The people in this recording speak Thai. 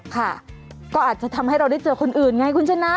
ค่ะก็อาจจะทำให้เราได้เจอคนอื่นไงคุณชนะ